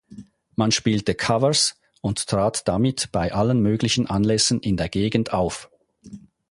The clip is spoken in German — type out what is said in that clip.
Man spielte Covers und trat damit bei allen möglichen Anlässen in der Gegend auf.